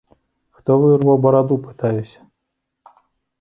Хто вырваў бараду, пытаюся?